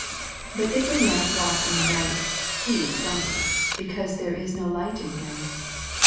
10 But if a man walk in the night, he stumbleth, beoause there ia no light in him.